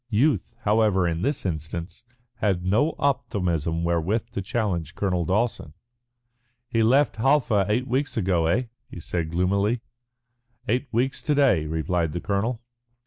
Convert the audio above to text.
Youth, however, in this instance had no optimism wherewith to challenge Colonel Dawson. "He left Halfa eight weeks ago, eh?" he said gloomily. "Eight weeks to day," replied the colonel.